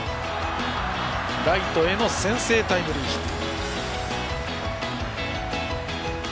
ライトへの先制タイムリーヒット。